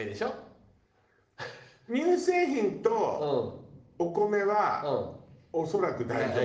乳製品とお米は恐らく大丈夫。